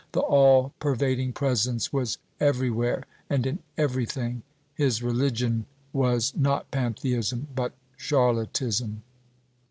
The all pervading presence was everywhere and in everything. His religion was not Pantheism, but Charlottism.